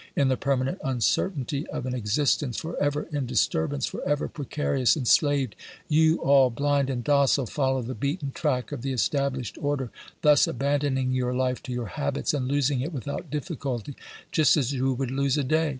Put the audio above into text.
In the permanent uncertainty of an existence for ever in disturbance, for ever precarious, enslaved, you all, blind and docile, follow the beaten track of the established order, thus abandoning your life to your habits, and losing it with out difficulty, just as you would lose a day.